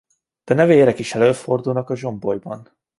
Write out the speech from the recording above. Denevérek is előfordulnak a zsombolyban.